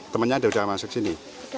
temennya udah masuk sini